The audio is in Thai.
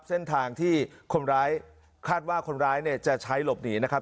เส้นทางที่คนร้ายคาดว่าคนร้ายเนี่ยจะใช้หลบหนีนะครับ